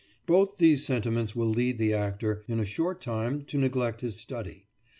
Both these sentiments will lead the actor, in a short time, to neglect his study.